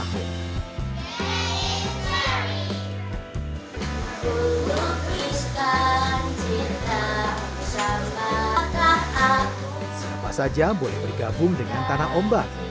siapa saja boleh bergabung dengan tanah ombak